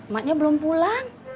maknya belum pulang